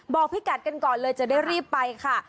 พี่กัดกันก่อนเลยจะได้รีบไปค่ะ